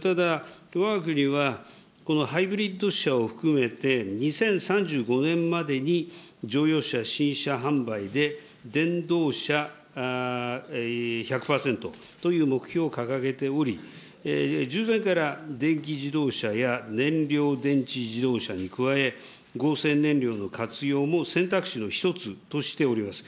ただ、わが国はハイブリッド車を含めて、２０３５年までに乗用車新車販売で電動車１００％という目標を掲げており、従前から電気自動車や燃料電池自動車に加え、合成燃料の活用も選択肢の一つとしております。